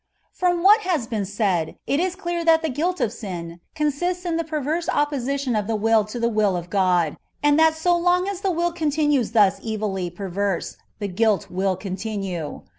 From ;v7hat has been said, it is clear that the guilt of sin consists in the perverse opposition of the will to the will of God, and that so long as the will con tinues thus evilly perverse the guilt wiD continue.